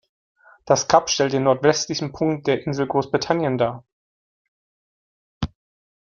Das Kap stellt den nordwestlichsten Punkt der Insel Großbritannien dar.